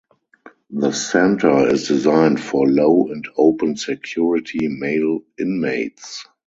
The centre is designed for low and open security male inmates.